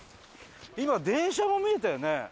今電車も見えたよね。